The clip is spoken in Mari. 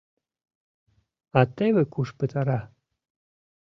А теве куш пытара!